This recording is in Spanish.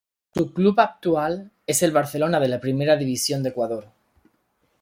Su club actual es el Barcelona de la Primera División de Ecuador.